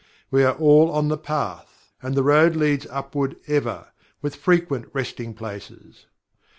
We are all on The Path and the road leads upward ever, with frequent resting places.